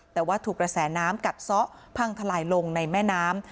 แต่ว่าถูกกระแสน้ำกัดซะพังทลายลงในแม่น้ำ